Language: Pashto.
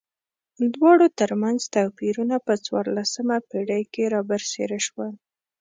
دواړو ترمنځ توپیرونه په څوارلسمه پېړۍ کې را برسېره شول.